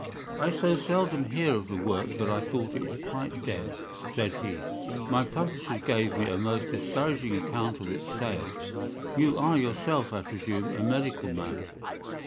"I so seldom hear of the work that I thought it was quite dead," said he. "My publishers gave me a most discouraging account of its sale. You are yourself, I presume, a medical man?"